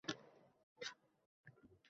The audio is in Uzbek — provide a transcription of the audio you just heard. Qizimizni uzatishimiz kerak